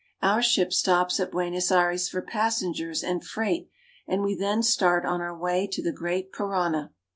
Our ship stops at Buenos Aires for passengers and freight, and we then start on our way to the great Parana.